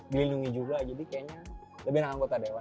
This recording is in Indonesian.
dilindungi juga jadi kayaknya lebih enak anggota dewan